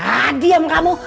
ah diam kamu